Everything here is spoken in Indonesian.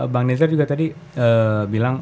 bang nizar juga tadi bilang